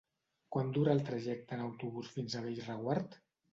Quant dura el trajecte en autobús fins a Bellreguard?